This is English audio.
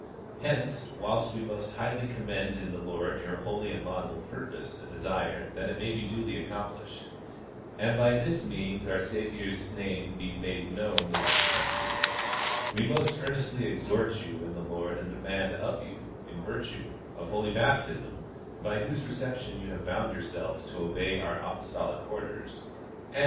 Hence, Avhilst we most highly commend in the Lord your holy and laudable purpose and desire that it be duly accomplished, and that by this means our Saviour's name be made known in those countries, we most earnestly exhort you in the Lord and demand of you, in virtue of holy baptism, by whose reception you have bound yourselves to obey our apostolic orders, and The Christianizing of the New World.